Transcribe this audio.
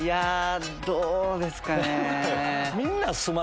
どうですかね？